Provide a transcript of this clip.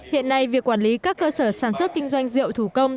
hiện nay việc quản lý các cơ sở sản xuất kinh doanh rượu thủ công